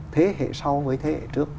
thế hệ sau với thế hệ trước